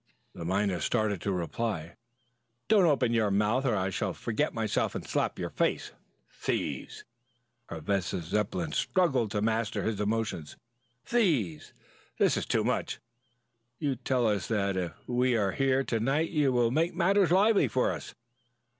The miner started to reply. "Don't you open your mouth or I shall forget myself and slap your face. Thieves!" Professor Zepplin struggled to master his emotions. "Thieves! This is too much. You tell us that if we are here to night you will make matters lively for us.